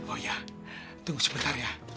oh ya tunggu sebentar ya